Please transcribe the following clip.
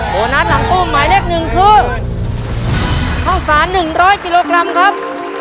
โบนัสหลังตู้หมายเลขหนึ่งคือข้องศาสตร์หนึ่งร้อยกิโลกรัมครับ